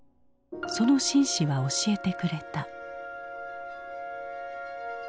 その紳士は教えてくれた。